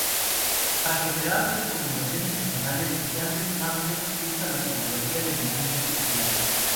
Para generar recomendaciones personales, Yandex Launcher usa la tecnología de inteligencia artificial.